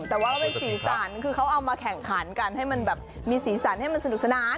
แต่ว่าเป็นสีสันคือเขาเอามาแข่งขันกันให้มันแบบมีสีสันให้มันสนุกสนาน